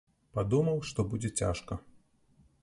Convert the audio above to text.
Падумаў, што будзе цяжка.